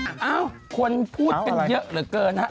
ว่ะคุณพูดเป็นเยอะเหลือเกินครับ